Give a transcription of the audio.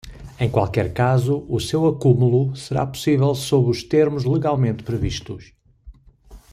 Em qualquer caso, o seu acúmulo será possível sob os termos legalmente previstos.